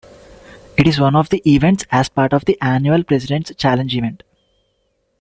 It is one of the events as part of the annual President's Challenge event.